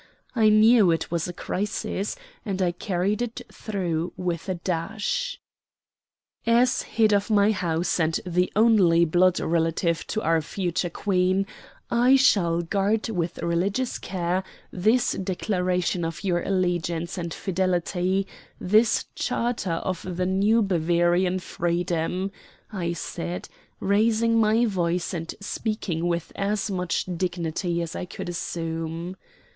I knew it was a crisis, and I carried it through with a dash. "As head of my house, and the only blood relative of our future Queen, I shall guard with religious care this declaration of your allegiance and fidelity, this charter of the new Bavarian freedom," I said, raising my voice and speaking with as much dignity as I could assume.